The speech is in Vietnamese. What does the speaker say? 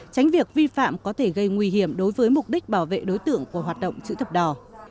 tránh việc vi phạm có thể gây nguy hiểm đối với mục đích bảo vệ đối tượng của hoạt động chữ thập đỏ